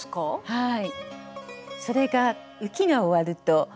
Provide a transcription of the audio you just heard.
はい。